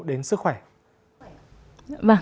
đến sức khỏe